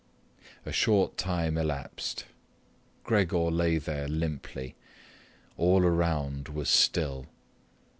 A short time elapsed. Gregor lay there limply. All around was still.